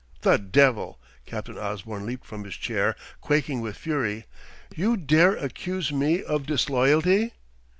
"The devil!" Captain Osborne leaped from his chair quaking with fury. "You dare accuse me of disloyalty